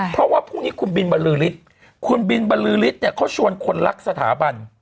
เพราะว่าพรุ่งนี้คุณบิลบรือริฐเขาชวนคนรักสถาบัน